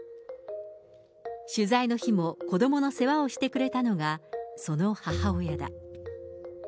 取材の日も、子どもの世話をしてくれたのがその母親だ。